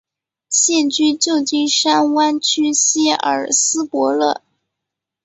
现居旧金山湾区希尔斯伯勒。